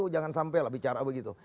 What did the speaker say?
jangan sampai lah bicara begitu